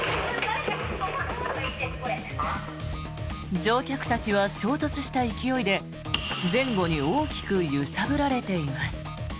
乗客たちは衝突した勢いで前後に大きく揺さぶられています。